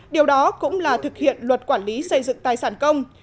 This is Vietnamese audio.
điều đó cũng là thực hiện luật quản lý xây dựng tài sản công